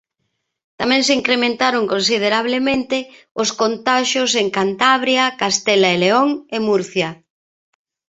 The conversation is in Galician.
Tamén se incrementaron considerablemente os contaxios en Cantabria, Castela e León e Murcia.